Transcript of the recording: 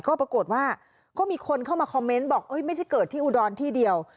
ก็ปรากฏว่าก็มีคนเข้ามาคอมเมนต์บอกไม่ใช่เกิดที่อุดรที่เดียว